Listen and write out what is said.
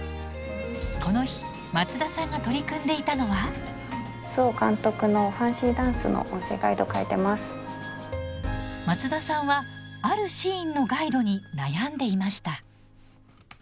この日松田さんが取り組んでいたのは松田さんはあるシーンのガイドに悩んでいました。